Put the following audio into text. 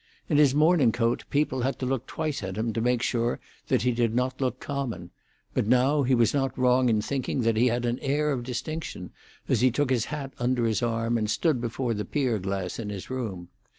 In his morning coat, people had to look twice at him to make sure that he did not look common; but now he was not wrong in thinking that he had an air of distinction, as he took his hat under his arm and stood before the pier glass in his room.